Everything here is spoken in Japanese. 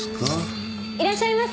いらっしゃいませ。